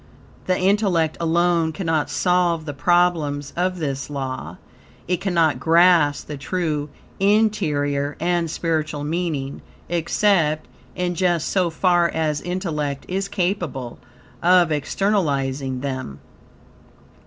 The intellect alone cannot solve the problems of this law. It cannot grasp the true, interior and spiritual meaning, except in just so far as intellect is capable of externalizing them.